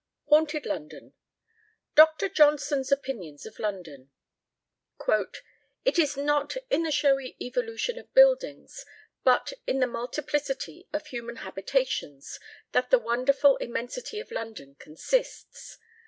HAUNTED LONDON DR. JOHNSON'S OPINIONS OF LONDON. "It is not in the showy evolution of buildings, but in the multiplicity of human habitations, that the wonderful immensity of London consists....